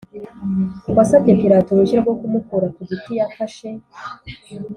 wasabye Pilato uruhushya rwo kumukura ku giti Yafashe